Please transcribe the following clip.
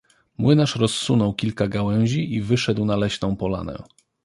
Młynarz rozsunął kilka gałęzi i wyszedł na leśną polanę.